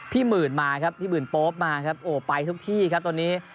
หมื่นมาครับพี่หมื่นโป๊ปมาครับโอ้ไปทุกที่ครับตอนนี้